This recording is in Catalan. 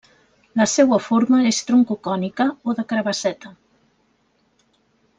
La seua forma és troncocònica o de carabasseta.